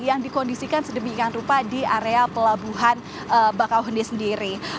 yang dikondisikan sedemikian rupa di area pelabuhan bakauheni sendiri